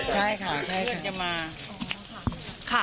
ใช่ค่ะ